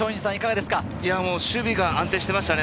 守備が安定してましたね。